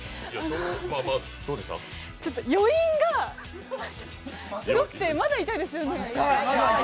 余韻があって、まだ痛いですよね。